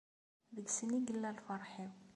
Deg-sen i yella lferḥ-iw.